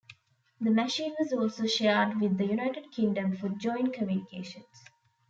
The machine was also shared with the United Kingdom for joint communications.